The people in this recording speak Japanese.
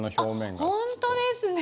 あっ本当ですね。